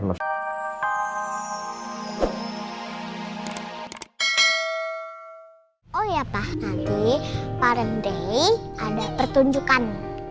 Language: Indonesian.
oh iya pak nanti pak rendeng ada pertunjukan